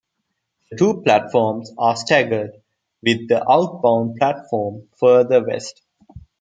The two platforms are staggered, with the outbound platform further west.